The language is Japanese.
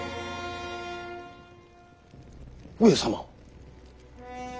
上様。